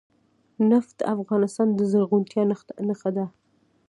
نفت د افغانستان د زرغونتیا نښه ده.